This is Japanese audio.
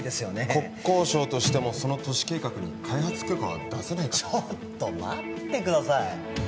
国交省としてもその都市計画に開発許可は出せないとちょっと待ってください